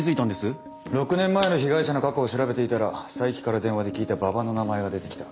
６年前の被害者の過去を調べていたら佐伯から電話で聞いた馬場の名前が出てきた。